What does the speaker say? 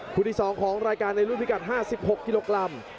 ที่๒ของรายการในรุ่นพิกัด๕๖กิโลกรัม